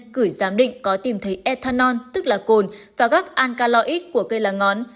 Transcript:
cử giám định có tìm thấy ethanol tức là cồn và các ankaloid của cây lá ngón